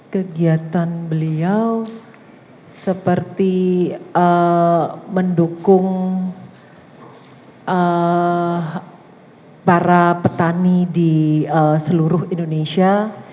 kegiatan beliau seperti mendukung para petani di seluruh indonesia